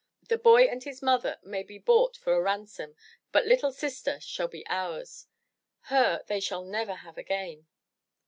The boy and his mother may be bought for a ransom, but little sister shall be ours. Her they shall never have again."